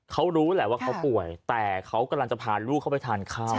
เขารู้แหละว่าเขาป่วยแต่เขากำลังจะพาลูกเขาไปทานข้าว